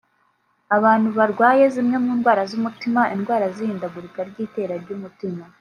Abantu barwaye zimwe mu ndwara z’umutima(indwara z’ihindagurika ry’itera ry’umutima)